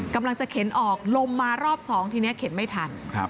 กำลังจะเข็นออกลมมารอบสองทีนี้เข็นไม่ทัน